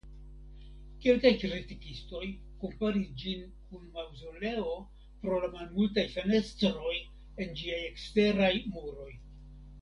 Kelkaj kritikistoj komparis ĝin kun maŭzoleo pro la malmultaj fenestroj en ĝiaj eksteraj muroj.